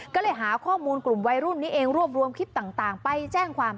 ก็เลยหาข้อมูลกลุ่มวัยรุ่นนี้เองรวบรวมคลิปต่างไปแจ้งความ